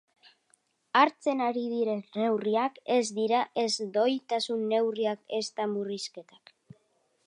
Hartzen ari diren neurriak ez dira ez doitasun neurriak ezta murrizketak.